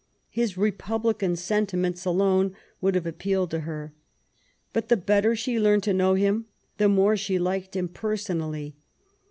His republican sentiments alone would have appealed to her. But the better she learned to know him, the more she liked him personally.